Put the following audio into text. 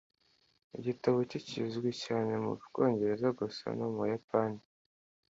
igitabo cye kizwi cyane mu bwongereza gusa no mu buyapani